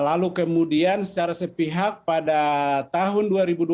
lalu kemudian secara sepihak pada tahun dua ribu dua puluh